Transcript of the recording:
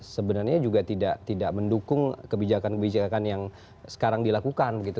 sebenarnya juga tidak mendukung kebijakan kebijakan yang sekarang dilakukan begitu